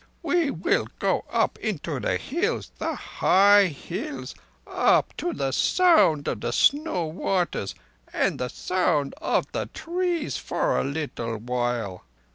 We will go up into the Hills—the high hills—up to the sound of snow waters and the sound of the trees—for a little while.